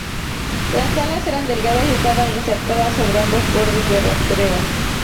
Las alas eran delgadas y estaban insertas sobre ambos bordes de rastreo.